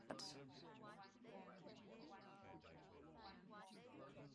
His products were sold in Germany as well as abroad.